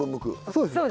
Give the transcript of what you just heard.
そうです。